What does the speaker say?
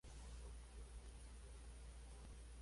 Pese a ser una banda inglesa, son muy populares en Japón.